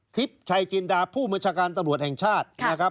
ทิศชัยจินดาผู้มจการตำรวจแห่งชาติ